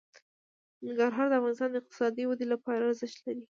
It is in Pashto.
ننګرهار د افغانستان د اقتصادي ودې لپاره ارزښت لري.